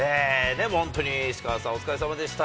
本当に石川さん、お疲れさまでした。